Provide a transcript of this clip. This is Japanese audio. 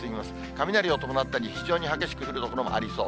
雷を伴ったり、非常に激しく降る所もありそう。